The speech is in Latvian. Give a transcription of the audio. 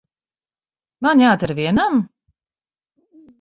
Man jādzer vienam?